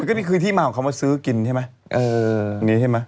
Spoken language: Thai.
มันก็คือที่มาของเขามาซื้อกินใช่ไหม